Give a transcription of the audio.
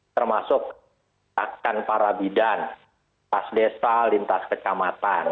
termasuk atakan para bidan pas desa lintas kecamatan